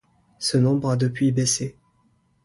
Ce nombre a depuis baissé.